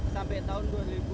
sampai tahun dua ribu enam belas